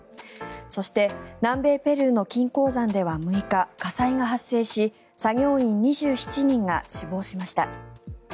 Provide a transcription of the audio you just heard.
そして、南米ペルーの金鉱山では６日火災が発生し作業員２７人が死亡しました。